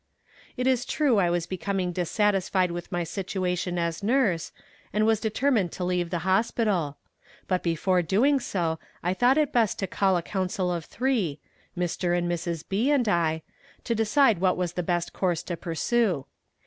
It is true I was becoming dissatisfied with my situation as nurse, and was determined to leave the hospital; but before doing so I thought it best to call a council of three, Mr. and Mrs. B. and I, to decide what was the best course to pursue.